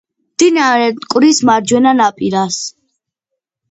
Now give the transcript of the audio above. მდინარე მტკვრის მარჯვენა ნაპირას.